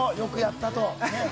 よくやったと。